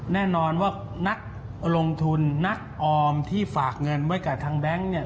แน่นอนว่านักลงทุนนักออมที่ฝากเงินไว้กับทางแบงค์เนี่ย